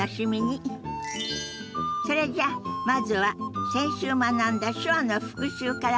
それじゃあまずは先週学んだ手話の復習から始めましょ。